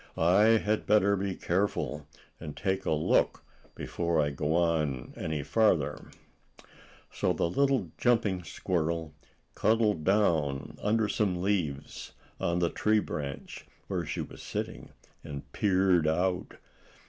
"I had better be careful, and take a look before I go on any farther." So the little jumping squirrel cuddled down under some leaves on the tree branch where she was sitting, and peered out.